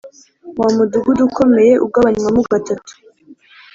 Wa mudugudu ukomeye ugabanywamo gatatu